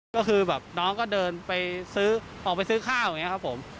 ก็คือแบบน้องก็เดินไปซื้อออกไปซื้อข้าวอย่างนี้ครับผม